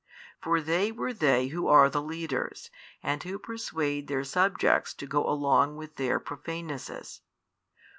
For they were they who are the leaders and who persuade their subjects to go along with their profane nesses.